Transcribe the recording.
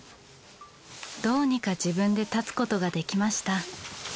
どうにか自分で立つことができました。